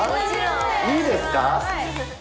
いいですか。